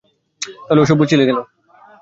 তাহলে ওসব বলছিলি কেন?